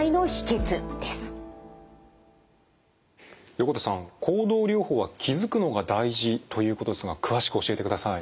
横手さん行動療法は気づくのが大事ということですが詳しく教えてください。